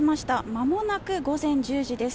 まもなく午前１０時です。